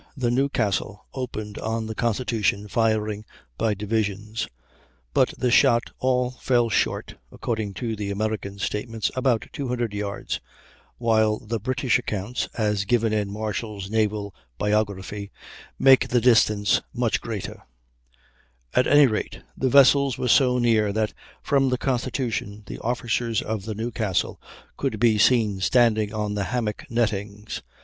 45 the Newcastle opened on the Constitution firing by divisions, but the shot all fell short, according to the American statements, about 200 yards, while the British accounts (as given in Marshall's "Naval Biography") make the distance much greater; at any rate the vessels were so near that from the Constitution the officers of the Newcastle could be seen standing on the hammock nettings.